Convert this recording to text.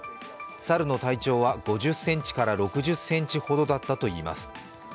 猿の体長は５０６０ｃｍほどだったといいます。